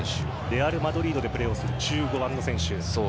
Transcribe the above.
レアルマドリードでプレーをする１５番の選手。